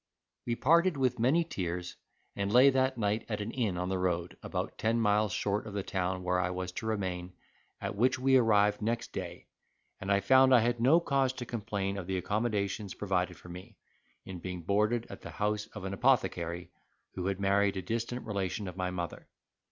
We parted with many tears, and lay that night at an inn on the road, about ten miles short of the town where I was to remain, at which we arrived next day, and I found I had no cause to complain of the accommodations provided for me, in being boarded at the house of an apothecary, who had married a distant relation of my mother.